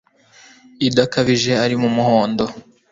idakabije ari mu muhondo